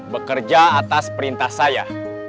bekerja atas perintah saya